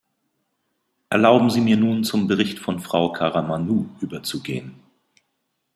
Erlauben Sie mir nun, zum Bericht von Frau Karamanou überzugehen.